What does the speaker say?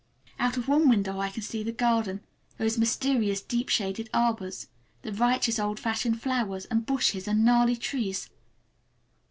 Out of one window I can see the garden, those mysterious deep shaded arbors, the riotous old fashioned flowers, and bushes and gnarly trees.